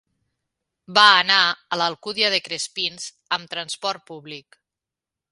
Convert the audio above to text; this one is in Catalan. Va anar a l'Alcúdia de Crespins amb transport públic.